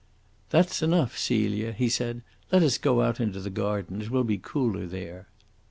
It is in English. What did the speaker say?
"That's enough, Celia," he said. "Let us go out into the garden; it will be cooler there."